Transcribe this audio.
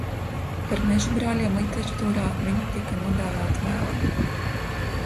Par mežabrāļiem literatūrā viņi tika nodēvēti vēlāk.